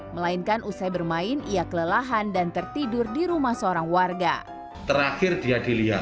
melainkan usai bermain ia kelelahan dan tertidur di rumah seorang warga terakhir dia dilihat